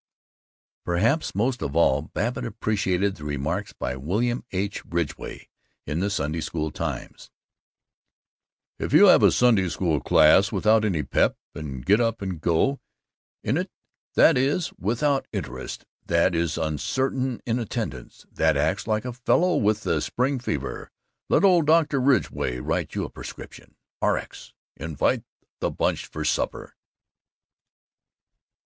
Perhaps most of all Babbitt appreciated the remarks by William H. Ridgway in the Sunday School Times: "If you have a Sunday School class without any pep and get up and go in it, that is, without interest, that is uncertain in attendance, that acts like a fellow with the spring fever, let old Dr. Ridgway write you a prescription. Rx. Invite the Bunch for Supper."